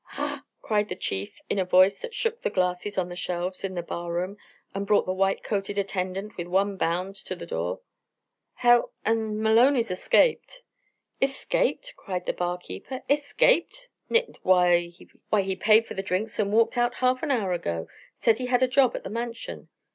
",!" cried the Chief in a voice that shook the glasses on the shelves in the bar room and brought the white coated attendant with one bound to the door. "Hell en Maloney's escaped." "Escaped!" cried the bar keeper. "Escaped! nit. Why, he paid for the drinks and walked out half an hour ago said he had a job at the Mansion.